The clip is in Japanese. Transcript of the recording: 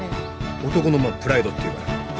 男のプライドっていうか。